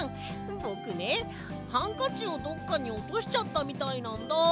ぼくねハンカチをどっかにおとしちゃったみたいなんだ。